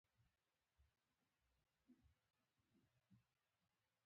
مرکه د دوو خواوو ژمنه ده.